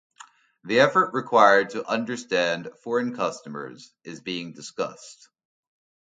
The effort required to understand foreign customers is being discussed.